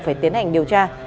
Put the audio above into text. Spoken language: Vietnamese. phải tiến hành điều tra